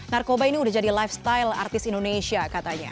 narkoba ini udah jadi lifestyle artis indonesia katanya